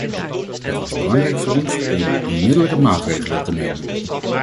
Het was belangrijk voor ons om onmiddellijk maatregelen te nemen.